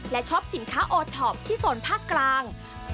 และช็อปสินค้าโอท็อปที่โซนภาคกลาง